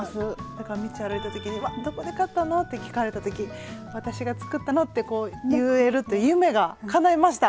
道歩いた時に「わっ！どこで買ったの？」って聞かれた時「私が作ったの」って言えるという夢がかないました。